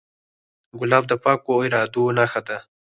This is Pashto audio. ګلاب د پاکو ارادو نښه ده.